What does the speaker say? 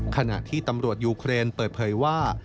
ขณะที่ตำรวจยูเครนเปิดเผยว่า